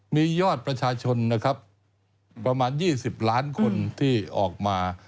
มียอดประชาชนนะครับประมาณ๒๐ล้านคนที่ออกมา